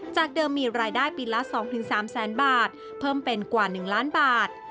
จากเดิมมีรายได้ปีละ๒๓แสนบาทเพิ่มเป็นกว่า๑ล้านบาท